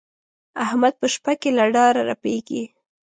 احمد په شپه کې له ډاره رپېږي.